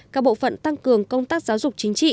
các bộ phận tăng cường công tác giáo dục chính trị